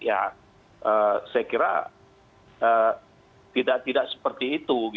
ya saya kira tidak seperti itu